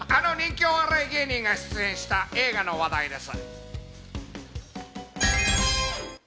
あの人気お笑い芸人が出演した映画の話題です。